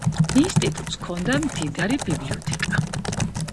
ინსტიტუტს ჰქონდა მდიდარი ბიბლიოთეკა.